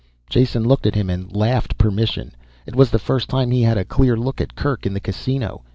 Jason looked at him, and laughed permission. It was the first time he had a clear look at Kerk in the Casino.